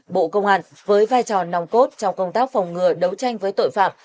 bộ công an với vai trò nòng cốt trong công tác phòng ngừa đấu tranh với tội phạm